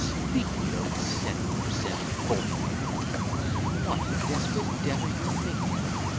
Speak, you old cent per cent fornicator? What desperate debt are you thinking of?